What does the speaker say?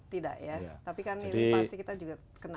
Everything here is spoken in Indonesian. tidak ya tapi kan ini pasti kita juga kena